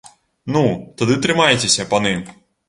Ну, тады трымайцеся, паны!